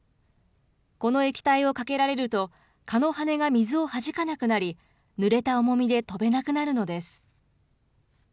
この液体をかけられると、蚊の羽が水をはじかなくなり、ぬれた重みで飛べなくなるのです。